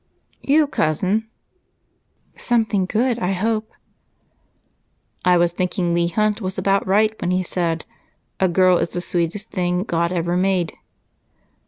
"You, Cousin." "Something good, I hope?" "I was thinking Leigh Hunt was about right when he said, 'A girl is the sweetest thing God ever made.'"